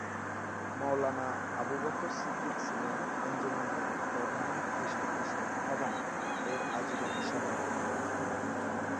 মওলানা আবুবকর সিদ্দিক ছিলেন আঞ্জুমানের প্রধান পৃষ্ঠপোষক এবং এর আজীবন সভাপতি।